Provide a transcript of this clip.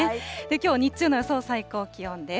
きょう日中の予想最高気温です。